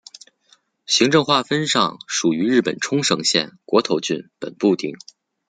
行政划分上属于日本冲绳县国头郡本部町。